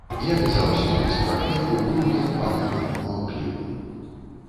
Як і заўсёды, спрадвеку, быў ён панурым, маўклівым.